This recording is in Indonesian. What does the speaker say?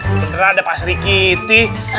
beneran ada pak sri kitty